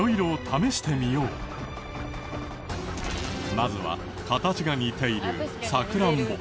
まずは形が似ているサクランボ。